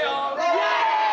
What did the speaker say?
イエイ！